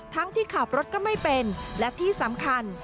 ที่ขับรถก็ไม่เป็นและที่สำคัญ